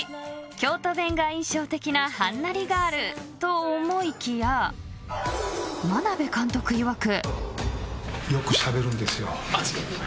［京都弁が印象的なはんなりガールと思いきや眞鍋監督いわく］